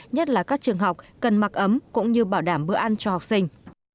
nhất là các trường học cần mặc ấm cũng như bảo đảm bữa ăn cho học sinh